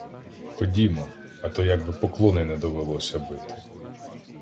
Ходімо, а то як би поклони не довелося бити.